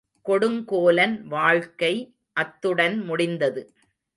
கொடுங்கோலன் வாழ்க்கை அத்துடன் முடிந்தது.